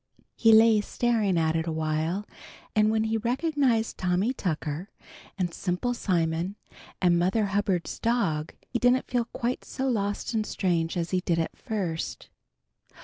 He lay staring at it awhile, and when he recognized Tommy Tucker and Simple Simon and Mother Hubbard's dog, he didn't feel quite so lost and strange as he did at first.